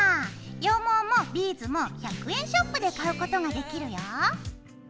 羊毛もビーズも１００円ショップで買うことができるよ。